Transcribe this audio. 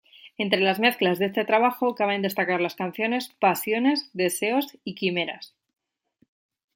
Entre las mezclas de este trabajo caben destacar las canciones "Pasiones", "Deseos" y "Quimeras".